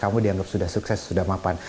kamu dianggap sudah sukses sudah mapan